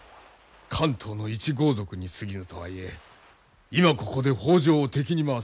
関東の一豪族にすぎぬとはいえ今ここで北条を敵に回すのはまずい。